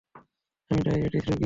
আমি ডায়াবেটিসের রোগী।